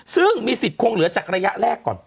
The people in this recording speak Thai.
ซึ่งมีสิทธิ์คงเหลือจากระยะแรกก่อน